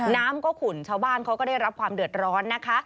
น้ำก็ขุ่นชาวบ้านเขาก็ได้รับความเดือดร้อนนะคะ